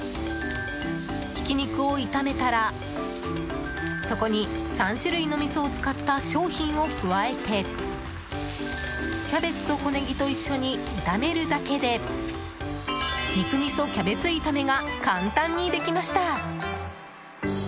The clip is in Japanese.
ひき肉を炒めたらそこに３種類のみそを使った商品を加えてキャベツと小ネギと一緒に炒めるだけで肉みそキャベツ炒めが簡単にできました。